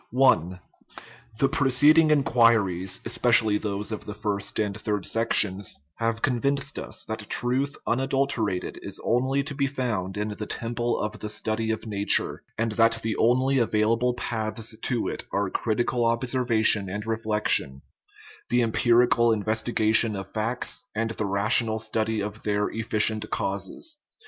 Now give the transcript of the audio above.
I. The preceding inquiries (especially those of the first and third sections) have convinced us that truth 336 OUR MONISTIC RELIGION unadulterated is only to be found in the temple of the study of nature, and that the only available paths to it are critical observation and reflection the empirical investigation of facts and the rational study of their efficient causes.